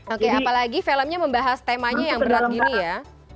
oke apalagi filmnya membahas temanya yang berat gini ya